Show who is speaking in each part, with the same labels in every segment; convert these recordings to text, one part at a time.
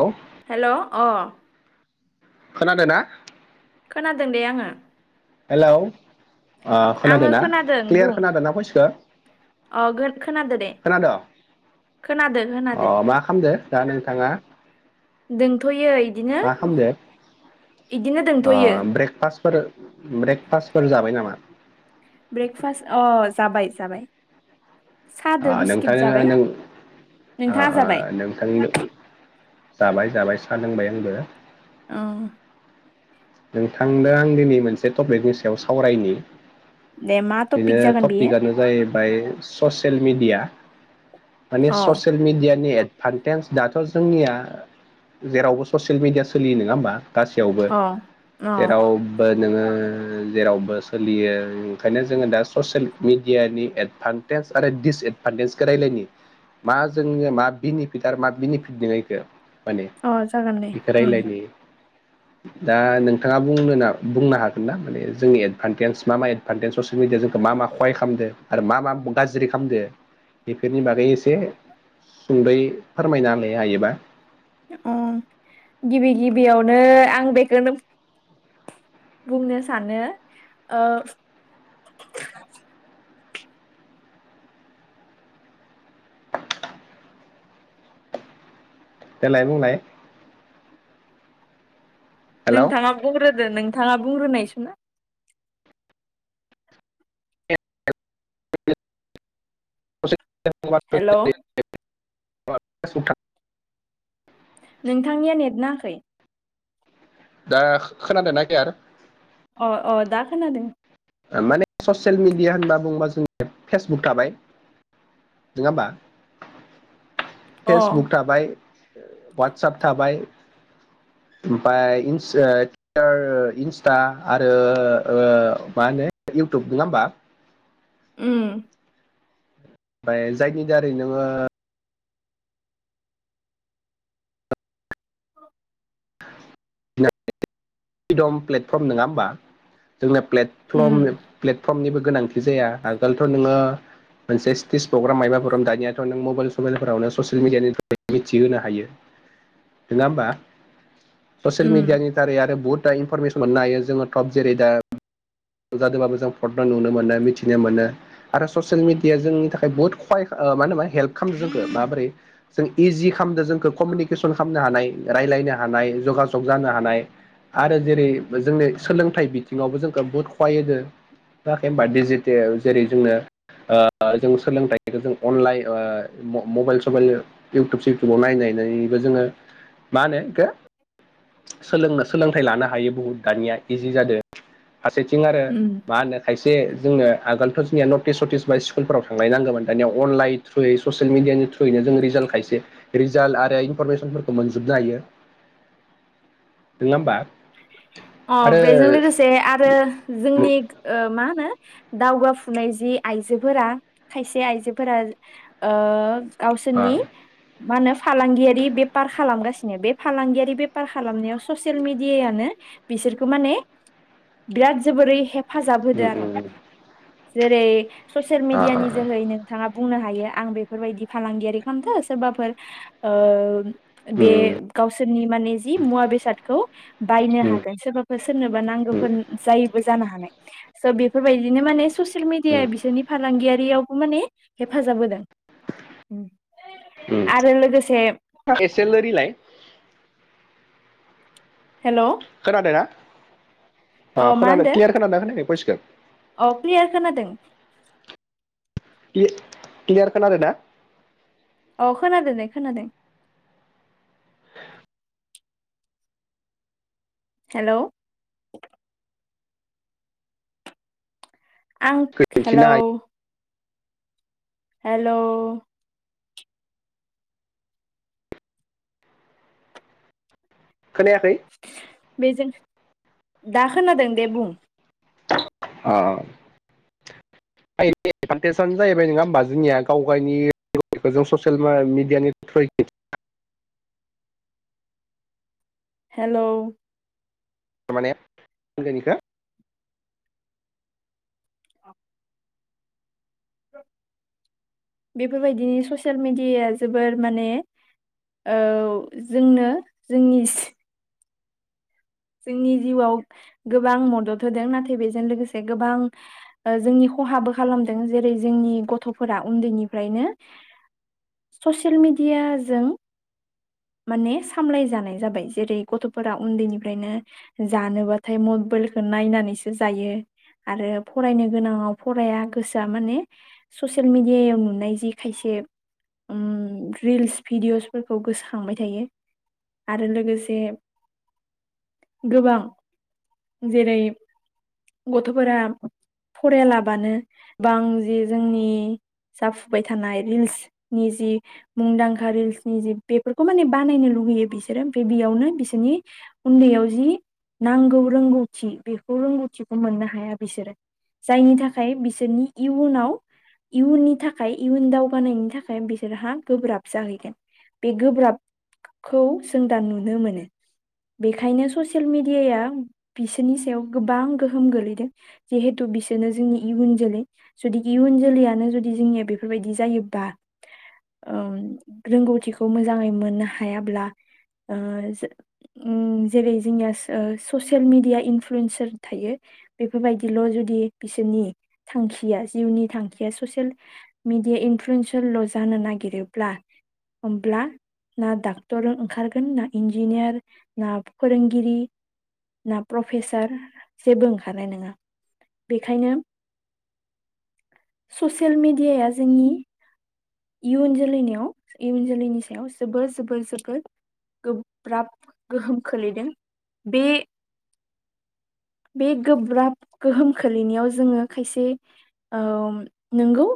Speaker 1: औ
Speaker 2: हेल' अ
Speaker 1: खोनादों ना?
Speaker 2: खोनादों दे आङो।
Speaker 1: हेल' ओ खोनादों
Speaker 2: आङो
Speaker 1: ना क्लियार
Speaker 2: बुं
Speaker 1: खोनादों ना भसखो
Speaker 2: अ खोनादो दे
Speaker 1: खोनाद'
Speaker 2: खोनादो
Speaker 1: अ
Speaker 2: खोनादो
Speaker 1: मा खालामदो? दा नोंथाङा।
Speaker 2: दं थ'यो बिदिनो
Speaker 1: मा खालामदो
Speaker 2: बिदिनो दं
Speaker 1: ओ
Speaker 2: थ'यो।
Speaker 1: ब्रेकफास्टफोर ब्रेकफास्टफोर जाबाय नामा?
Speaker 2: ब्रेकफास्ट अ जाबाय जाबाय।
Speaker 1: आ
Speaker 2: सादो
Speaker 1: नोंथों
Speaker 2: बिस्किट जाबाय
Speaker 1: नों अ
Speaker 2: नोंथाङा
Speaker 1: अ
Speaker 2: जाबाय
Speaker 1: नोंथां। जाबाय जाबाय साहा लोंबाय आंबो।
Speaker 2: औ।
Speaker 1: नोंथांनो आं दिनै मोनसे टपिकनि सायाव सावरायनि।
Speaker 2: दे मा टपिक
Speaker 1: बेनो
Speaker 2: जागोन बेयो
Speaker 1: टपिकआनो जाहैबाय ससियेल मिडिया। माने
Speaker 2: अ
Speaker 1: ससियेल मिडिया नि फान्टेनस दाथ' जोंनिया जेरावबो ससियेल मिडिया सोलियो, नङा होमबा? गासैयावबो
Speaker 2: अ अ
Speaker 1: जेरावबो नोङो जेरावबो सोलियो। बेओखायनो जोङो दा ससियेल मिडियानि एदभान्टेज आरो दिडिसएदभान्टेजखौ रायलायनि मा जोंनो मा बेनिफिट आरो मा बेनिफिट दङ बेखौ। माने
Speaker 2: अ जागोन दे
Speaker 1: बेखौ
Speaker 2: उम
Speaker 1: राय्लायनो। दा नोंथाङा बुं बुंनो हागोनना माने जोंनि एदभान्टेज मा मा? सो फैदो जोंखौ मा मा खहा खालामदो आरो मा मा गाज्रि खालामदों बेफोरनि बागै एसे सुंद्रै फोरमायना होलाय हायोबा।
Speaker 2: गिबि गिबियावनो आं बेखौनो बुंनो सानो।
Speaker 1: देलाय बुंलाय हेलौ
Speaker 2: नोंथाङा बुंग्रोदो नोंथाङा बुंग्रोनाय। बि
Speaker 1: [inaudible]
Speaker 2: हेल'
Speaker 1: [unintelligible] बा [inaudible] [unintelligible]
Speaker 2: नोंथांनिया नेट नाङाखै
Speaker 1: दा खोनादोंना [inaudible] [unintelligible]
Speaker 2: अ अ दा खोनादों।
Speaker 1: माने ससियेल मिडिया होनना बुङोबा जोंङो फेसबुक थाबाय नङा होमबा?
Speaker 2: अ
Speaker 1: फेसबुक थाबाय हवातसेप थाबाय। ओमफ्राय इनस्टा आरो। मा होनो इउटुब नङा होमबा?
Speaker 2: उ।
Speaker 1: ओमफ्राय जायनि दारै नोङो
Speaker 2: औ
Speaker 1: फ्रिदम प्लेटफर्म नङा होमबा? जोंना प्लेटफर्म
Speaker 2: उम
Speaker 1: फ्रमनिबो गोनांथि जाया आगोलथ' नोङो मोनसे स्टेज प्रग्राम मायबा प्रग्राम दानियाथ' नों मबाइल सबाइलफोरावनो ससियेल मिडियानि थ्रयै मिथिहोनो हायो नङा होमबा? स'सियेल मिडिया
Speaker 2: उम
Speaker 1: निथ दारै आरो बहुद दा इनफरमेसन मोननो हायो जोङो टप जेरै दा जादोंबाबो जों फरना नुनो मोनो मिथिनो मोनो आरो ससियेल मिडियााया जोंनि थाखाय बुहुत खहाय मा होनोमा हेल्प खालामदों जोंखौ माबोरै जों इजि खालामदों जोंखौ कमिउनिकेसन खालामनो हानाय रायलायनो हानाय जगाजग जानो हानाय आरो जेरै जोंनि सोलोंथाइ बिथिङावबो जोंखौ बहुद गाहाय होदो होआखै होनबा डिजिटेल जेरै जोंनो ओ जों सोलोंथाइखौ जों अनलाइन ओ म-मबाइल सबाइल इउटुब सिउटुबाव नायनानैबो जोङो मा होनो आंगो सोलोंनो सोलोंथाइ लानो हायो बुहुत दानिया इजि जादों फारसेथिं थिं आरो
Speaker 2: उम
Speaker 1: मा होनो खायसे जोंनो आगोलथ' जोंनिया नटिस सटिस बा स्कुलफोराव थांलाय नांगौमोन दानिया अनलाइन थ्रुयै ससियेल मिडियानि थ्रुयैनो जोङो रिजाल्ट खायसे रिजाल्ट आरो इनफरमेसनफोरखौ मोनजोबनो हायो नङा होमबा?
Speaker 2: अ
Speaker 1: आरो
Speaker 2: बेजों लोगोसे आरो जोंनि ओ मा होनो? दावगाफुनाय जि आइजोफोरा खायसे आइजोफोरा ओ गावसोरनि मा होनो फालांगियारि बेपार खालामगासिनो बे फालांगियारि बेफार खालामनायाव ससियेल मेडि डियायानो बिसोरखौ माने बिराद जोबोरै हे हेफाजाब होदो आर' जेरै ससियेल मिडियानि जोहै नोंथाङा । बुंनो हायो आं बेफोरबायदि फालांगियारि खालामदो सोरबाफोर ओ बे गावसोरनि माने जि मुवा बेसाद खौ बायनो हागोन सोरबाफोर सोरनोबा नांगौफोर जायोबा जानो हानाय स' बेफोरबायदिनो माने ससियेल मिडिया बिसोरनि फालांगियारियावबो माने हेफाजाब होदों
Speaker 1: उम
Speaker 2: आरो लोगोसे
Speaker 1: एसे लोरिलाय
Speaker 2: हेल'
Speaker 1: खोनादोंना? अ खोनादो क्लियार खोनादों ना खोनायाखै भयसखौ? [unintelligible]
Speaker 2: औ क्लियार खोनादों।
Speaker 1: क्लि क्लियार खोनादोना?
Speaker 2: अ खोनादों दे खोनादों। हेल' आं
Speaker 1: दिन्थिनो
Speaker 2: हेलौ
Speaker 1: हायो
Speaker 2: हेल'
Speaker 1: खोनायाखै
Speaker 2: बेजों दा खोनादों दे बुं
Speaker 1: अ एडभान्टेजआनो जाहैबाय नङा होमबा जोंनिया गाव गावनिखौ जों ससियेल मिडियानि थ्रुयै
Speaker 2: हेल'
Speaker 1: माने मा होनगोन बेखो
Speaker 2: औ बेफोरबायदि ससियेल मेडियाया जोबोर माने ओ‌ जोंनो जोंनि जोंनि जिउआव गोबां मदद होदों नाथाय बेजों लोगोसे गोबां जोंनि खहाबो खालामदों जेरै जोंनि गथफोरा उन्दैनिफ्रायनो ससियेल मेडियाजों माने सामलाय जानाय जाबाय जेरै गथफोरा उन्दैनि ओमफ्रायनो जानोबाथाय मबाइलखौ नायनानैसो जायो आरो फरायनो गोनांङाव फराया गोसोआ माने ससियेल मिडियायाव नुनाय जि खायसे ओम रिल्स भिडिअसफोरखौ गोसोखांबाय थायो आरो लोगोसे। गोबां जेरै गथफोरा फरायलाबानो बां जि जोंनि जाफुबाय थानाय रिल्सनि जि मुंदांखा रिल्सनि जि बेफोरखौ माने बानायनो लुुबैयो बिसोरो बेयावनो बिसोरनि। उन्दैयाव जि नांगौ रोंगौथि बेखौ रोंगौथिखौ मोननो हाया बिसोरो जायनि थाखाय बिसोरनि इयुनाव इयुननि थाखाय इयुन दावगानायनि थाखाय बिसोरहा गोब्राब जाहैगोन बे गोब्राबखौ जों दा नुनो मोनो। बेखायनो ससेल मेडियाया बिसोरनि सायाव गोबां गोहोम गोलैदों जिहेथु बिसोरनो जोंनि इयुन जोलै जुदि इयुन जोलैयानो जुदि जोंनिया बेफोरबायदि जायोबब्ला रोंगौथिखौ मोजांङै मोननो हायाब्ला ओ जों। उं जेरै जोंनिया ओ ससेल मिडिया इनफ्लुयेन्सार थायो बेफोरबायदिल जुदि बिसोरनि थांखिया जिउनि थांखिया ससेल मिडिया इनफ्लुयेनसल ल जानो नागिरोब्ला हब्ला ना डाक्टर ओंखारगोन ना इन्जिनियार। ना फोरोंगिरि ना प्रफेसार जेबो ओंखारनाय नोंङा बेखायनो ससियेल मेडियाया जोंनि इयुन जोलैनियाव इयुन जोलैनि सायाव जोबोर-जोबोर-जोबोद गोब्राब। गोहोम खोलैदों बे बे गोब्राब गोहोम खोलैनायाव जोंङो ओ खायसे नोंगौ।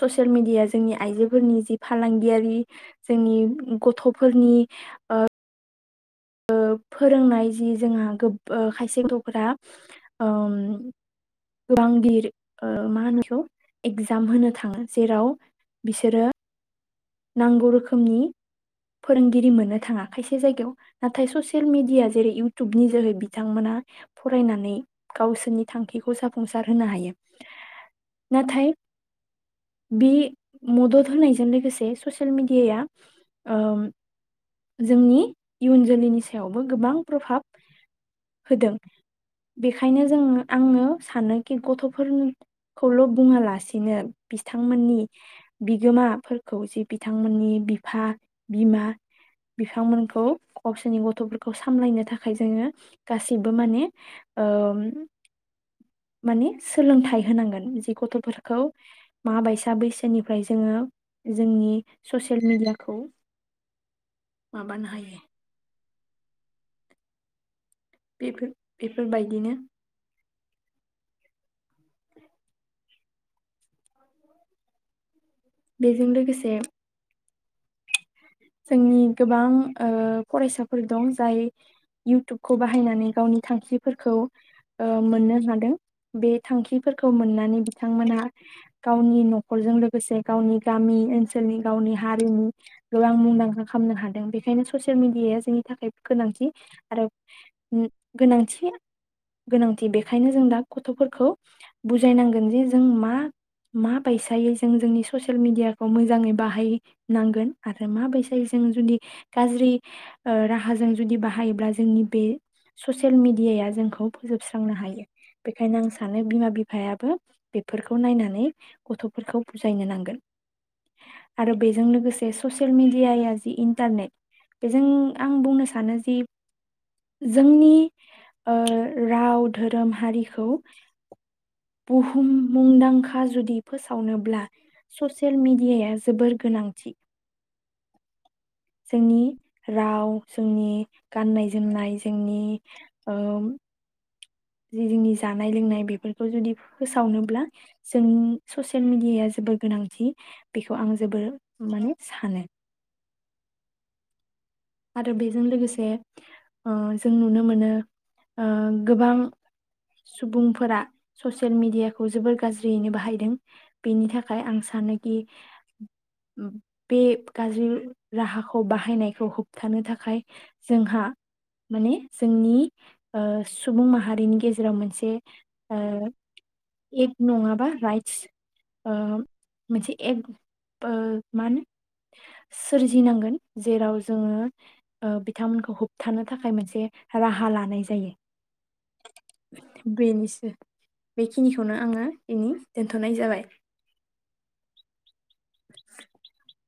Speaker 2: ससेल मेडियाया जोंनि आइजोफोरनि जि फालांगियारि जोंनि गथफोरनि ओ। ओ फोरोंनाय जि जोंहा गोब खायसे गथफोरा ओ गांबिर ओ मा होनो बेखौ एग्जाम होनो थांङो जेराव बिसोरो नांगौ रोखोमनि फोरोंगिरि मोननो थांङा खायसे जायगायाव। नाथाय ससियेल मेडिया जेरै इउटुबनि जोहै बिथांमोना फरायनानै गावसोरनि थांखिखौ जाफुंसार होनो हायो नाथाय बे मदद होनायजों लोगोसे ससियेल मेडियाया जोंनि। इयुन जोलैनि सायावबो गोबां प्रभाब होदों बेखायनो जों आंङो सानोखि गथफोरखौल बुंङालासिनो बिथांमोननि बिगोमाफोरखौ जे बिथांमोननि बिफा-बिमा बिथांमोनखौ गावसोरनि गथफोरखौ सामलायनो थाखाय जोंङो गासिबो माने-माने सोलोंथाइ होनांगोन जि गथफोरखौ माबायसा बैसोनिफ्राय जोंङो जोंनि ससियेल मेडियाखौ माबानो हायो। बेफोर बेफोरबायदिनो। [inaudible] बेजों लोगोसे जोंनि गोबां ओ फरायसाफोर दं जाय इउटुबखौ बाहायनानै गावनि थांखिफोरखौ ओ मोननो हादों बे थांखिफोरखौ मोननानै बिथांमोनहा गावनि नखरजों लोगोसे गावनि गामि ओनसोलनि गावनि हारिमु आं मुंदांखा खालामनो हादों बेखायनो ससियेल मेडियाया जोंनि थाखाय गोनांथि आरो गोनांथि गोनांथि बेखायनो जों दा गथफोरखौ बुजायनांगोन जे जों मा-मा बायसायै जों जोंनि ससियेल मेडियाखौ मोजांङै बाहायनांगोन। आरो माबायसा जों जुदि गाज्रि ओ‌ राहाजों जुदि बाहायोब्ला जोंनि बे ससियेल मेडियाया जोंखौ फोजोबस्रांनो हायो बेखायनो आं सानो बिमा-बिफायाबो बेफोरखौ नायनानै गथफोरखौ बुजायनो नांगोन आरो बेजों लोगोसे। जे ससियेल मेडियाया जि इन्टारनेट बेजों आं बुंनो सानो जि जोंनि ओ राव धोरोम हारिखौ बुहुम मुंदांखा जुदि फोसावनोब्ला ससियेल मेडियाया जोबोर गोनांथि। जोंनि राव जोंनि गाननाय-जोमनाय जोंनि ओम जि जोंनि जानाय लोंनाय बेफोरखौ जुदि फोसावनोब्ला जों ससियेल मिडियाया जोबोर गोनांथि बेखौ आं जोबोर माने सानो। आरो बेजों लोगोसे आ जों नुनो मोनो ओ गोबां सुबुंफोरा ससियेल मेडियाखौ जोबोर गाज्रियैनो बाहायदों बेनि थाखाय आं सानोखि बे गाज्रि राहाखौ बाहायनायखौ होब। थानो थाखाय जोंहा माने जोंनि ओ सुबुं माहारिनि गेजेराव मोनसे ओ एक नंङाबा राइटस ओ मोनसे एक मा होनो सोरजिनांगोन जेराव। जोंङो ओ बिथांमोनखौ होबथानो थाखाय मोनसे राहा लानाय जायो बेनिसै बेखिनिखौनो आंङो बेनि दोनथनाय जाबाय। [inaudible]